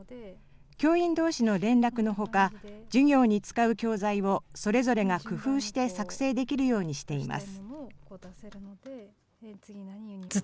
教員どうしの連絡のほか、授業に使う教材をそれぞれが工夫して作成できるようにしています。